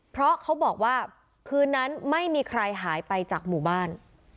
เพราะเขาบอกว่าคืนนั้นไม่มีใครหายไปจากหมู่บ้าน